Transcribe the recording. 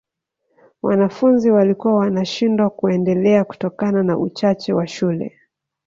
wanafunzi walikuwa wanashindwa kuendelea kutokana na uchache wa shule